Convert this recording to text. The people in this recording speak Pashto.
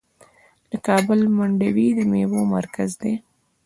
د کابل منډوي د میوو مرکز دی.